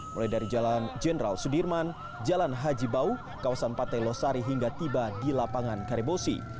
mulai dari jalan jenderal sudirman jalan haji bau kawasan pantai losari hingga tiba di lapangan karibosi